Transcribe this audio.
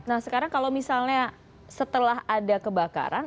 nah sekarang kalau misalnya setelah ada kebakaran